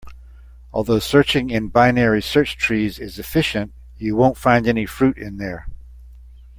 Although searching in binary search trees is efficient, you won't find any fruit in there.